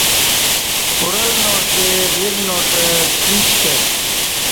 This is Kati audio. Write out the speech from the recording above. اورل ناݜ دے ورناݜہ ٹیݩچ کہ